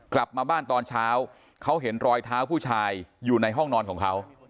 กลับมาบ้านตอนเช้าเขาเห็นรอยเท้าผู้ชายอยู่ในห้องนอนของเขา